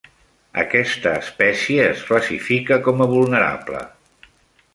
Aquesta espècie es classifica com a vulnerable.